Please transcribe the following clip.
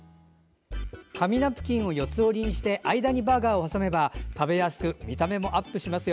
紙ナプキンを４つ折りにして間にバーガーを挟めば食べやすく見た目もアップしますよ。